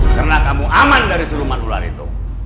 karena kamu aman dari seluruh makhluk ular itu